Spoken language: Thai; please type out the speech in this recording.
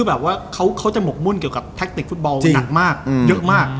แบบว่าเขาจะหกมุ่นเกี่ยวกับแท็กติกฟุตบอลหนักมากเยอะมาก